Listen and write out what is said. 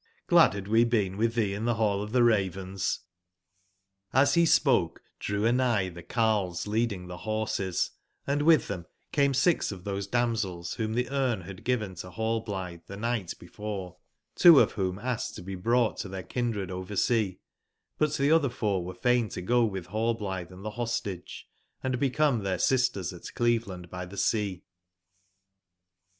Glad bad we been witb tbee in tbe ball of tbe Ravens "j^ Hs be spoke drew anigb tbe carles leading tbe borses, and witb tbem came six of tbose damsels wbom tbeGme bad given to Hallblitbe tbe nigbt before ; two of wbom asked to be brougbt to tbeir kindredoversea; but tbe otber four were fain to go witb Rallblitbe & tbe Hostage, and bec ome tbeir sisters at Cleveland by tbe Sea.